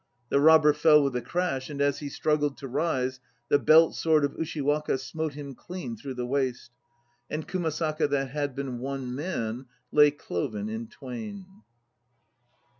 The robber fell with a crash, and as he struggled to rise The belt sword of Ushiwaka smote him clean through the waist. And Kumasaka that had been one man Lay cloven in twain.